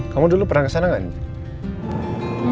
kamu dulu pernah kesana nggak nih